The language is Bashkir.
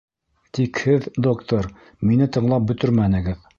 Тик һеҙ, доктор, мине тыңлап бөтөрмәнегеҙ.